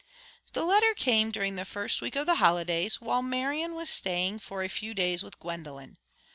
This letter came during the first week of the holidays, while Marian was staying for a few days with Gwendolen.